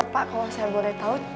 pak kalo saya boleh tau